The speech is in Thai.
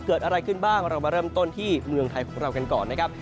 เกิดอะไรขึ้นบ้างเรามาเริ่มต้นที่เมืองไทยของเรากันก่อนนะครับ